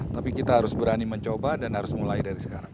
tapi kita harus berani mencoba dan harus mulai dari sekarang